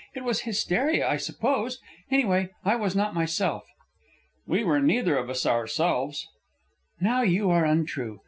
It was hysteria, I suppose. Anyway, I was not myself." "We were neither of us ourselves." "Now you are untrue.